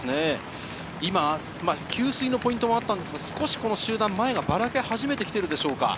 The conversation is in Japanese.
今、給水のポイントがあったんですが、集団、前がばらけ始めてきているでしょうか。